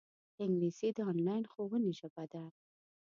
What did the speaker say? انګلیسي د انلاین ښوونې ژبه ده